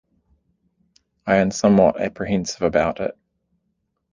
I am somewhat apprehensive about it.